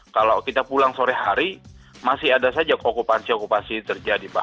kalau kita pulang sore hari masih ada saja okupansi okupansi terjadi pak